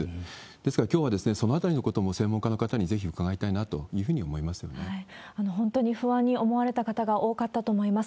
ですから、きょうはそのあたりのことも専門家の方にぜひ伺いたいなというふ本当に不安に思われた方が多かったと思います。